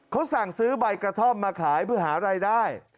เขาสั่งซื้อใบกระท่อมมาขายเพื่อหารายได้